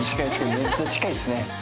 めっちゃ近いっすね。